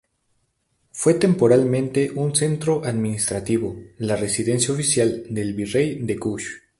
Fue temporalmente un centro administrativo, la residencia oficial del virrey de Kush.